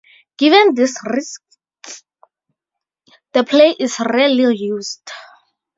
Given these risks, the play is rarely used.